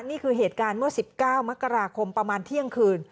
นี่คือเหตุการณ์เมื่อ๑๙มกราคมประมาณเที่ยงคืน